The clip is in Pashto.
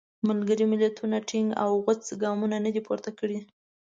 ملګري ملتونو ټینګ او غوڅ ګامونه نه دي پورته کړي.